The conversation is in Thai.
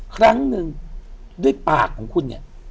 ครั้งหนึ่งด้วยปากของคุณเนี่ย